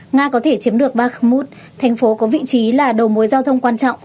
nga có thể chiếm được bakmuth thành phố có vị trí là đầu mối giao thông quan trọng